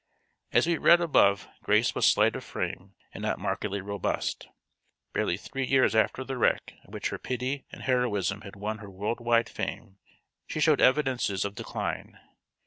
As we read above Grace was slight of frame, and not markedly robust. Barely three years after the wreck at which her pity and heroism had won her world wide fame, she showed evidences of decline.